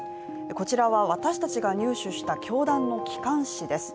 こちらは私たちが入手した教団の機関誌です。